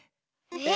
え？